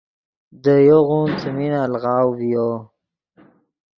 دے یوغون څیمی الغاؤ ڤیو۔